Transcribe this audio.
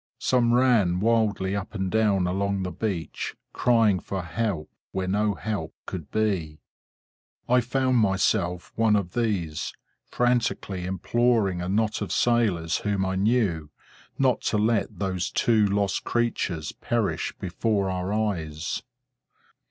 Some ran wildly up and down along the beach, crying for help where no help could be. I found myself one of these, frantically imploring a knot of sailors whom I knew, not to let those two lost creatures perish before our eyes.